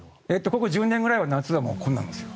ここ１０年くらいは夏はこんなんですよ。